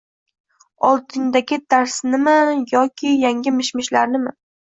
oldindagi darsnimi yoki yangi mish-mishlarnimi?